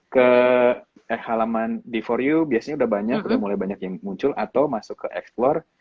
ke halaman di for you biasanya udah banyak udah mulai banyak yang muncul atau masuk ke explore